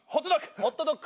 ホットドッグ。